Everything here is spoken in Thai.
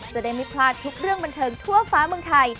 จะได้ไม่พลาดทุกเรื่องบันเทิงทั่วฟ้าเมืองไทย